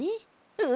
うん！